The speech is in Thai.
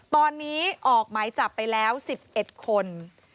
ตอนนี้ออกหมายจับไปแล้ว๑๑คน